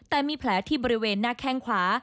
แต่มีแผลที่บริเวณหน้าแข้งขวา